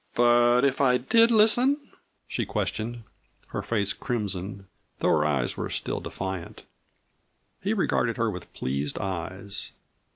"But if I did listen?" she questioned, her face crimson, though her eyes were still defiant. He regarded her with pleased eyes.